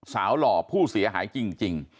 หล่อผู้เสียหายจริง